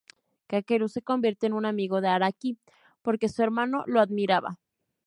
Kakeru se convierte en un amigo de Araki porque su hermano lo admiraba.